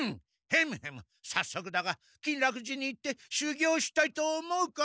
ヘムヘムさっそくだが金楽寺に行って修行したいと思うか？